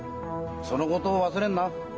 そのことを忘れるな。